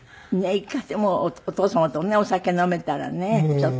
１回でもお父様とお酒飲めたらねちょっと。